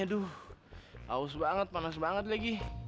aduh haus banget panas banget lagi